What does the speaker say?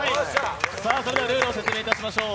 ルールを説明いたしましょう。